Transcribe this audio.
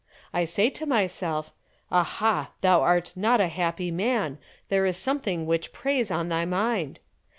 I say to myself: 'Aha, thou art not a happy man, there is something which preys on thy mind.